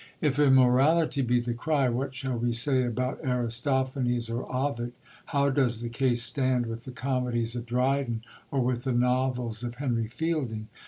If immorality be the cry, what shall we say about Aristophanes or Ovid? How does the case stand with the comedies of Dryden or with the novels of Henry Fielding?